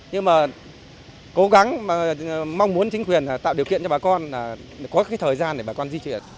nhưng mà cố gắng mong muốn chính quyền tạo điều kiện cho bà con có cái thời gian để bà con di chuyển